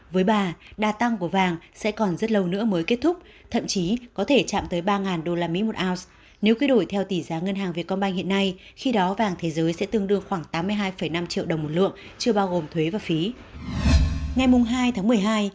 với bà đà tăng của vàng sẽ còn rất lâu nữa mới kết thúc thậm chí có thể chạm tới ba usd một ounce nếu quy đổi theo tỷ giá ngân hàng việt công banh hiện nay khi đó vàng thế giới sẽ tương đương khoảng tám mươi hai năm triệu đồng một lượng chưa bao gồm thuế và phí